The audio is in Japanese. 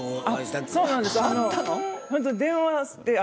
あっそうなんです。